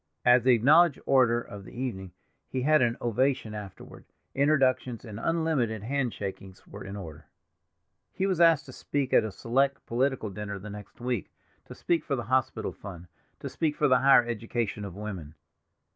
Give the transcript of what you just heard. As the acknowledged orator of the evening he had an ovation afterward; introductions and unlimited hand shakings were in order. He was asked to speak at a select political dinner the next week; to speak for the hospital fund; to speak for the higher education of woman.